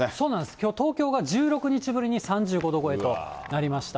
きょう、東京が１６日ぶりに３５度超えとなりました。